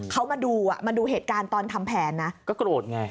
เขามาดูอ่ะมาดูเหตุการณ์ตอนทำแผนนะก็โกรธไง